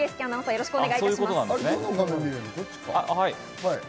よろしくお願いします。